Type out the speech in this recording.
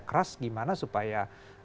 keras gimana supaya